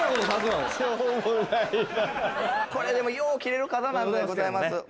これでもよう切れる刀なんでございます。